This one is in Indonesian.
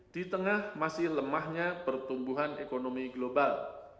di tengah masih lemahnya pertumbuhan ekonomi global